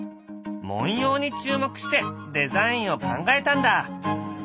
文様に注目してデザインを考えたんだ。